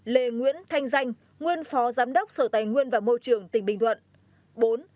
ba lê nguyễn thanh danh nguyên phó giám đốc sở tài nguyên và môi trường tỉnh bình thuận